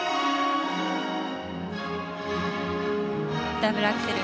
ダブルアクセル。